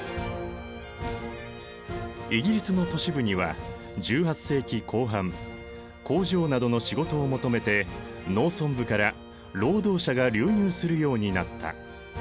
イギリスの都市部には１８世紀後半工場などの仕事を求めて農村部から労働者が流入するようになった。